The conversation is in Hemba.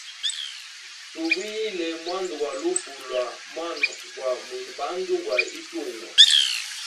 Tuvuyilile mwanda gwa lufu lwa mwana gwa mwine bandu gwa itungwa.